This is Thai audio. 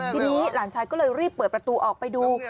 ทีนี้หลานชายก็เลยรีบเปิดประตูออกไปดู